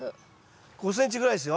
５ｃｍぐらいですよ。